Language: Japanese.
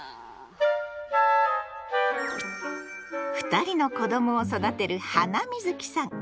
２人の子どもを育てるハナミズキさん。